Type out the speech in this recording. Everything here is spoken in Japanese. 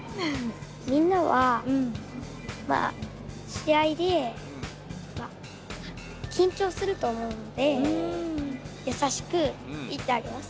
みんなは試合できんちょうすると思うのでやさしく言ってあげます。